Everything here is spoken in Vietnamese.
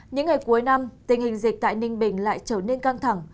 những ngày cuối năm tình hình dịch tại ninh bình lại trở nên căng thẳng